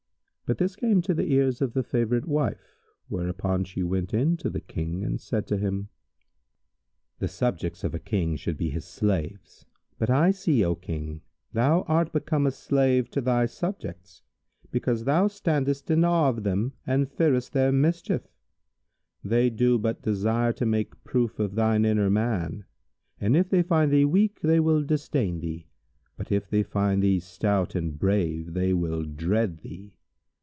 But this came to the ears of the favourite wife; whereupon she went in to the King and said to him, "The subjects of a King should be his slaves; but I see, O King, thou art become a slave to thy subjects, because thou standest in awe of them and fearest their mischief.[FN#150] They do but desire to make proof of thine inner man; and if they find thee weak, they will disdain thee; but, if they find thee stout and brave, they will dread thee.